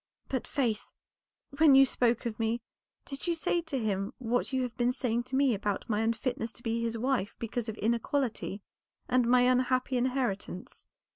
But, Faith, when you spoke of me, did you say to him what you have been saying to me about my unfitness to be his wife because of inequality, and my unhappy inheritance?"